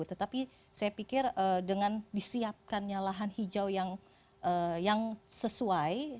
tetapi saya pikir dengan disiapkannya lahan hijau yang sesuai